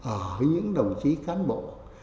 ở những đồng chí cán bộ